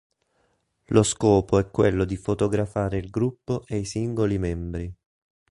Lo scopo è quello di fotografare il gruppo e i singoli membri.